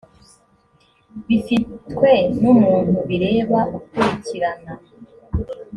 bifitwe n umuntu bireba ukurikirana